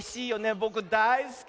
ぼくだいすき。